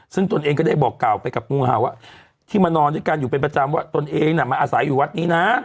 ซึ่งตนเองก็ได้บอกกล่าวไปกับงูเห่าว่าที่มานอนด้วยกันอยู่เป็นประจำว่าตนเองน่ะมาอาศัยอยู่วัดนี้นะ